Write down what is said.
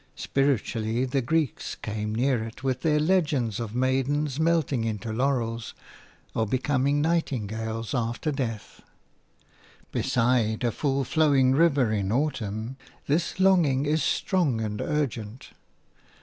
Spiritually, the Greeks came near it, with their legends of maidens melting into laurels or becoming nightingales after death. Beside a full flowing river in autumn this longing is strong and urgent.